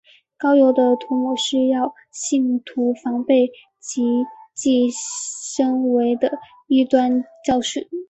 膏油的涂抹是要信徒防备基督身位的异端教训。